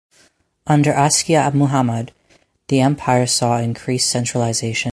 Under Askia Muhammad, the Empire saw increased centralization.